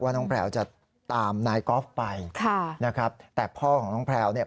ว่าน้องแพลวจะตามนายก๊อฟไปแต่พ่อของน้องแพลวเนี่ย